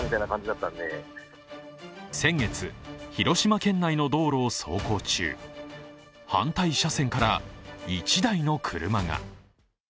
先月、広島県内の道路を走行中反対車線から１台の車が。